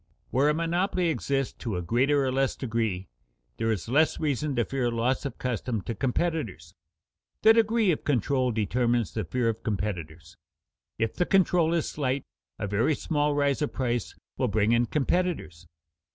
Where a monopoly exists to a greater or less degree, there is less reason to fear loss of custom to competitors. The degree of control determines the fear of competitors. If the control is slight, a very small rise of price will bring in competitors.